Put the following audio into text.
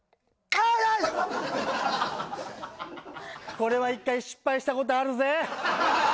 これは一回失敗したことあるぜ。